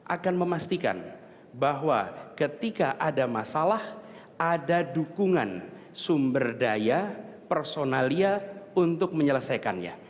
akan memastikan bahwa ketika ada masalah ada dukungan sumber daya personalia untuk menyelesaikannya